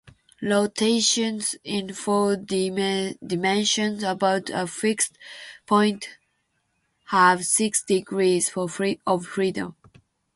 Rotations in four dimensions about a fixed point have six degrees of freedom.